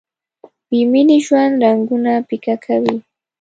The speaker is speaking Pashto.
بې مینې ژوند رنګونه پیکه کوي.